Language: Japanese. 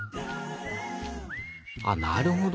あっなるほど。